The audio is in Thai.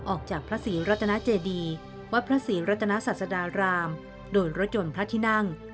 ออกจากพระศรีรัตนาเจดีวัดพระศรีรัตนศาสดารามโดนรถยนต์พระที่นั่ง